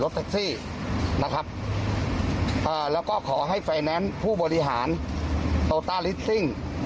แท็กซี่นะครับแล้วก็ขอให้ไฟแนนซ์ผู้บริหารโตต้าลิสซิ่ง